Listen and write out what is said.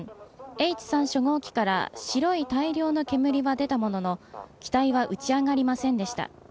Ｈ３初号機から白い大量の煙は出たものの機体は打ち上がりませんでした